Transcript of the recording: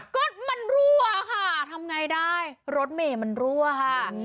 ก็มันรั่วค่ะทำไงได้รถเมย์มันรั่วค่ะ